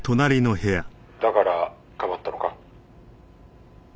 「だからかばったのか？」